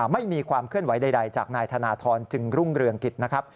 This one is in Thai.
ไม่มีความเคลื่อนไหวใดจากนายธนทรจึงรุ่งเรืองกิจนะครับ